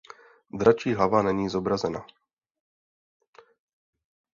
Dračí hlava není zobrazena.